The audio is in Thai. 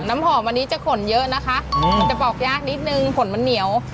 น้ำหอมอันนี้จะขนเยอะนะคะมันจะปอกยากนิดนึงผลมันเหนียว